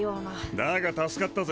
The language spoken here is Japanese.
だが助かったぜ。